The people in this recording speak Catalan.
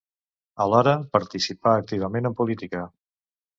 Alhora, participà activament en política.